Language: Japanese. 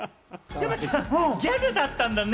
山ちゃん、ギャルだったんだね。